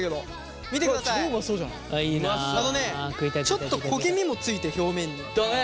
ちょっと焦げ目も付いて表面に。だね。